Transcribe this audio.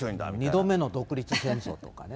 ２度目の独立戦争とかね。